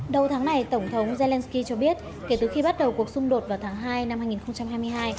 đầu tháng này tổng thống zelensky cho biết kể từ khi bắt đầu cuộc xung đột vào tháng hai năm hai nghìn hai mươi hai